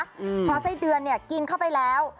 พอไส้เดือนกินเข้าไปแล้ว